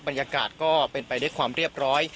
บรรยากาศก็เป็นไปด้วยความเรียบร้อย